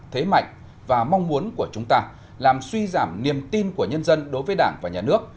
thế mạnh và mong muốn của chúng ta làm suy giảm niềm tin của nhân dân đối với đảng và nhà nước